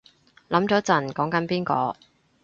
諗咗陣講緊邊個